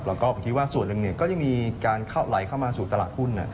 แล้วก็ผมคิดว่าส่วนหนึ่งก็ยังมีการไหลเข้ามาสู่ตลาดหุ้น